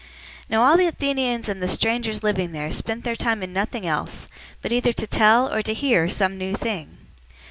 017:021 Now all the Athenians and the strangers living there spent their time in nothing else, but either to tell or to hear some new thing.